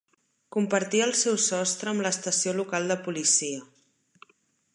Compartia el seu sostre amb l'estació local de policia.